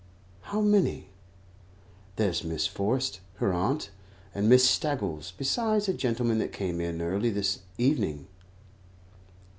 "How many?" "There's Miss Forrest, her aunt, and Miss Staggles, besides a gentleman that came early in the evening."